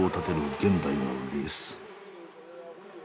現代のレース。